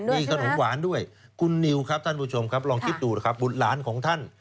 มีขนมหวานด้วยคุณนิวครับท่านผู้ชมครับลองคิดดูนะครับบุตรหลานของท่าน